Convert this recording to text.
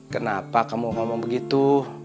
kenapa kamu ngomong begitu